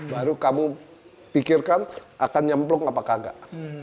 baru kamu pikirkan akan nyemplung apakah enggak